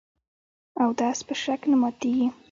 اودس په شک نه ماتېږي .